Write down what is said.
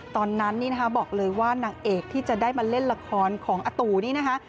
ตอนนั้นนี่นะคะบอกเลยว่านางเอกที่จะได้มาเล่นละครของอาตูนี่นะคะ